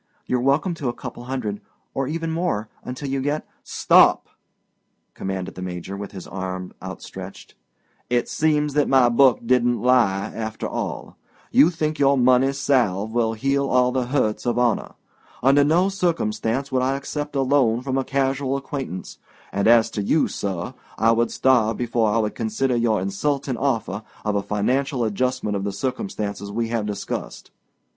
You're welcome to a couple hundred—or even more—until you get——" "Stop!" commanded the Major, with his arm outstretched. "It seems that my book didn't lie, after all. You think your money salve will heal all the hurts of honor. Under no circumstances would I accept a loan from a casual acquaintance; and as to you, sir, I would starve before I would consider your insulting offer of a financial adjustment of the circumstances we have discussed.